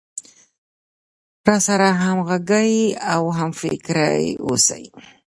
راسره همغږى او هم فکره اوسي.